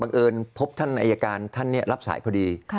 เอิญพบท่านอายการท่านรับสายพอดี